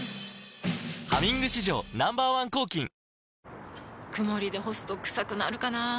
「ハミング」史上Ｎｏ．１抗菌曇りで干すとクサくなるかなぁ。